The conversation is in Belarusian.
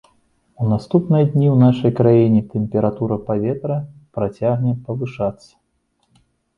У наступныя дні ў нашай краіне тэмпература паветра працягне павышацца.